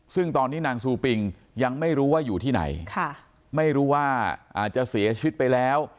ซึ่งตอนนี้นางซูปิงยังไม่รู้ว่าอยู่ที่ไหนไม่รู้ว่าอาจจะเสียชีวิตไปแล้ว